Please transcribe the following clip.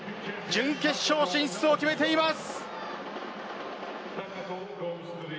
準決勝進出を決めています。